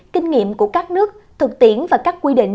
kinh nghiệm của các nước thực tiễn và các quy định